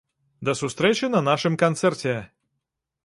Да сустрэчы на нашым канцэрце!